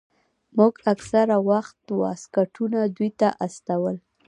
موږ اکثره وخت واسکټونه دوى ته استول.